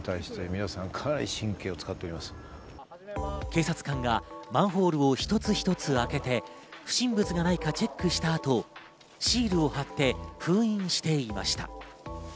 警察官がマンホールを一つ一つ開けて、不審物がないかチェックした後、シールを貼って封印していました。